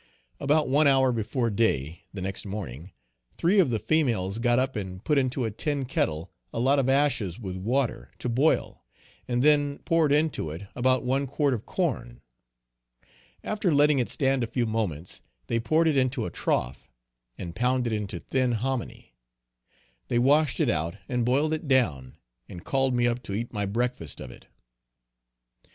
About one hour before day, the next morning, three of the females got up and put into a tin kettle a lot of ashes with water, to boil, and then poured into it about one quart of corn. After letting it stand a few moments, they poured it into a trough, and pounded it into thin hominy. They washed it out, and boiled it down, and called me up to eat my breakfast of it.